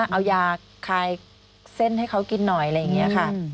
เอายาคายเซ่นให้เขากินหน่อย